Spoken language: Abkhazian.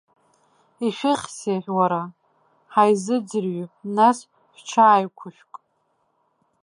Ишәыхьзеи, уара, ҳааизыӡырҩып, нас, шәҽааиқәышәк!